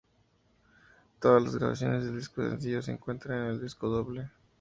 Todas las grabaciones del disco sencillo se encuentran en el disco doble.